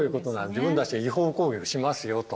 自分たちで違法行為をしますよと。